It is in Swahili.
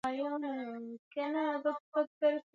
Ba mama baji toleye ku ma kaji